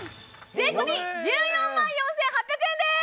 税込１４万４８００円です！